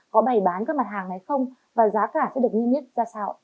có bày bán các mặt hàng này không và giá cả có được như nhất ra sao